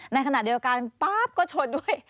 ในขณะเดียวกันป๊าบก็ชนด้วย